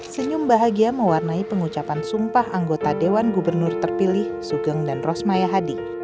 senyum bahagia mewarnai pengucapan sumpah anggota dewan gubernur terpilih sugeng dan rosmayahadi